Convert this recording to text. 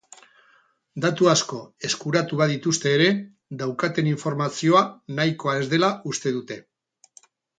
Datu asko eskuratu badituzte ere, daukaten informazioa nahikoa ez dela uste dute.